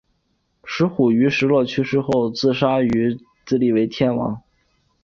石虎于石勒去世后杀石弘自立为天王。